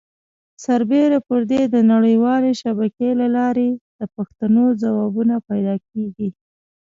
سربیره پر دې د نړۍ والې شبکې له لارې د پوښتنو ځوابونه پیدا کېږي.